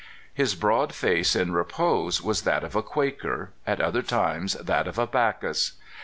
His broad face in repose w^as that of a Quaker, at other times that of a Bacchus.